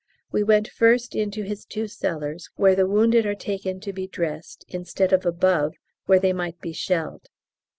We went first into his two cellars, where the wounded are taken to be dressed, instead of above, where they might be shelled.